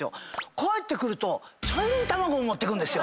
帰ってくると茶色い卵を持ってくるんですよ。